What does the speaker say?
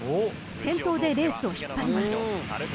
先頭でレースを引っ張ります］